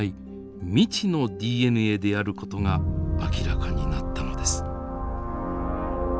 未知のＤＮＡであることが明らかになったのです。